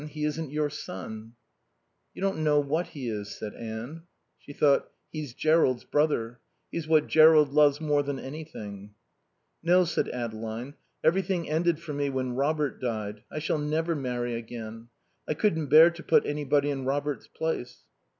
He isn't your son." "You don't know what he is," said Anne. She thought: "He's Jerrold's brother. He's what Jerrold loves more than anything." "No," said Adeline. "Everything ended for me when Robert died. I shall never marry again. I couldn't bear to put anybody in Robert's place."